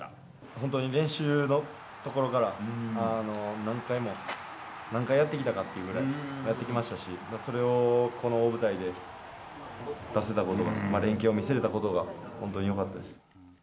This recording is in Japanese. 本当に練習のところから、何回も、何回やってきたかっていうぐらいやってきましたし、それをこの大舞台で出せたことが、連係を見せれたことが、本当によかったです。